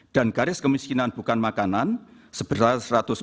dan garis kemiskinan bukan makanan sebesar satu ratus empat puluh satu